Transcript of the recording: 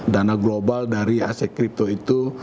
dana global dari aset kripto itu